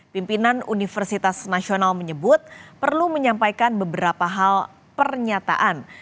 pimpinan universitas nasional menyebut perlu menyampaikan beberapa hal pernyataan